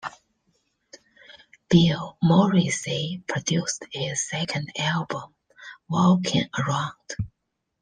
Bill Morrissey produced his second album, "Walkin' Around".